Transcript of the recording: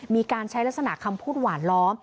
มีการใช้ลักษณะคำพูดหวานล้อม